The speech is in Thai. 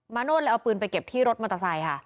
โนธเลยเอาปืนไปเก็บที่รถมอเตอร์ไซค์ค่ะ